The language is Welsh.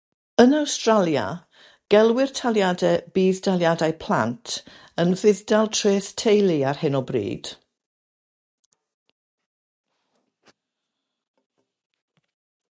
Yn Awstralia, gelwir taliadau budd-daliadau plant yn Fudd-dal Treth Teulu ar hyn o bryd.